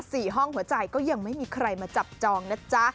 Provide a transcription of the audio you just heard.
ห้องหัวใจก็ยังไม่มีใครมาจับจองนะจ๊ะ